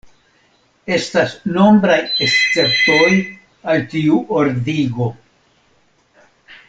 Estas nombraj esceptoj al tiu ordigo.